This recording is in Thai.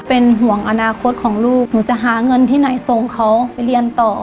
เป็นห่วงอนาคตของลูกหนูจะหาเงินที่ไหนส่งเขาไปเรียนต่อ